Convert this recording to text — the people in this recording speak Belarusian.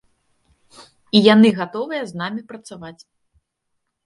І яны гатовыя з намі працаваць.